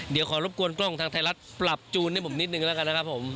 เดี๋ยวขอรบกวนกล้องทางไทยรัฐปรับจูนให้ผมนิดนึงแล้วกันนะครับผม